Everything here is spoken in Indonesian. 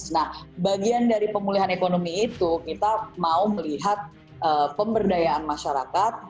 nah bagian dari pemulihan ekonomi itu kita mau melihat pemberdayaan masyarakat